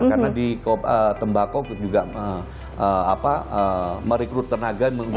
karena di tembakau juga apa merekrut tenaga juga